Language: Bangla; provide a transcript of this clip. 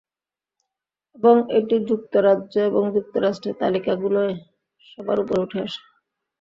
এবং এটি যুক্তরাজ্য এবং যুক্তরাষ্ট্রে তালিকা গুলোয় সবার উপরে উঠে আসে।